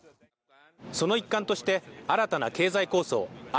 その一環として新たな経済構想